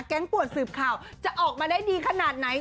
ปวดสืบข่าวจะออกมาได้ดีขนาดไหน